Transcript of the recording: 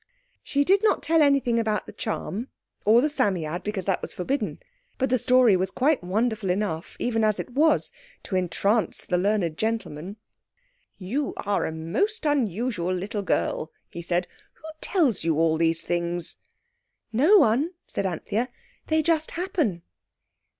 She did not tell anything about the charm or the Psammead, because that was forbidden, but the story was quite wonderful enough even as it was to entrance the learned gentleman. "You are a most unusual little girl," he said. "Who tells you all these things?" "No one," said Anthea, "they just happen."